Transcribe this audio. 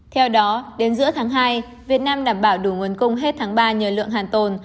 theo đó đến giữa tháng hai việt nam đảm bảo đủ nguồn cung hết tháng ba nhờ lượng hàn tồn